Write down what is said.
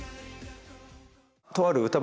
とある歌